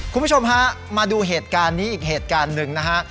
คุณผู้ชมฮะมาดูเหตุการณ์นี้อีกเหตุการณ์หนึ่งนะฮะ